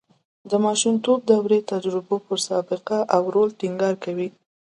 د ماشومتوب دورې تجربو پر سابقه او رول ټینګار کوي